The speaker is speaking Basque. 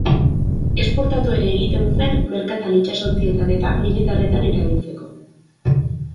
Esportatu ere egiten zen merkatal itsasontzietan eta militarretan erabiltzeko.